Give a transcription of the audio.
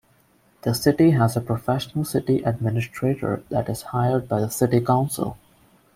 The city has a professional city administrator that is hired by the city council.